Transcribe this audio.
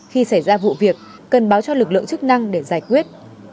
khi xảy ra vụ việc cần báo cho lực lượng chức năng để giải quyết